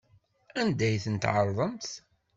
Anda ay ten-tɛerḍemt?